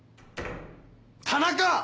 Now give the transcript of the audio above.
田中！